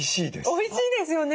おいしいですよね。